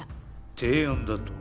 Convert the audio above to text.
提案だと？